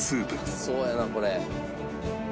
うまそうやなこれ。